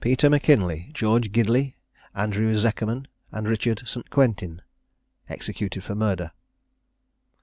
PETER M'KINLIE, GEORGE GIDLEY, ANDREW ZEKERMAN, AND RICHARD ST. QUINTIN. EXECUTED FOR MURDER.